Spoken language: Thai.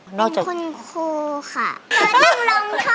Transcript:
เป็นคนครูค่ะ